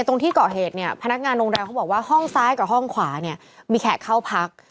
ตรงที่เกาะเหตุเนี่ยพนักงานโรงแรมเขาบอกว่าห้องซ้ายกับห้องขวาเนี่ยมีแขกเข้าพัก